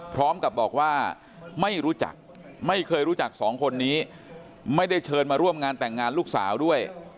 พร้อมกับบอกว่าไม่รู้จักไม่เคยรู้จักสองคนนี้ไม่ได้เชิญมาร่วมงานแต่งงานลูกสาวด้วย